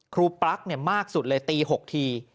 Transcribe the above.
ครูปลั๊กเนี่ยมากสุดเลยตี๖ที